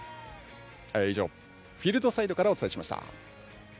以上、フィールドサイドからお伝えしました。